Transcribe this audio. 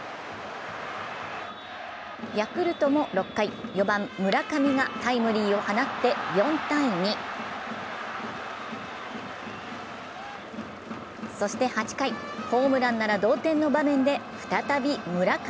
ヤクルトも６回４番・村上がタイムリーを放って４−２そして８回、ホームランなら同点の場面で再び村上。